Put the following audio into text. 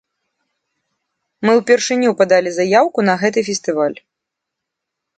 Мы ўпершыню падалі заяўку на гэты фестываль.